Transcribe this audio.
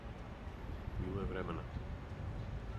Било је времена.